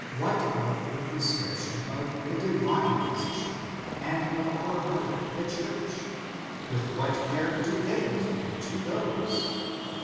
What of the prescription of the Divine Phy sician, and of our Mother, the Church? With what care do they attend to those